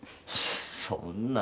そんな。